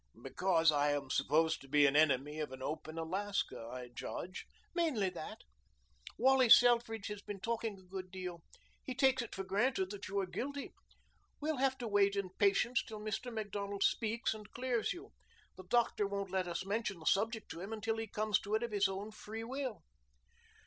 "Because I am supposed to be an enemy to an open Alaska, I judge." "Mainly that. Wally Selfridge has been talking a good deal. He takes it for granted that you are guilty. We'll have to wait in patience till Mr. Macdonald speaks and clears you. The doctor won't let us mention the subject to him until he comes to it of his own free will."